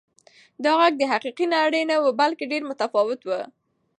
دا غږ د حقیقي نړۍ نه و بلکې ډېر متفاوت و.